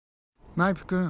マイプくん。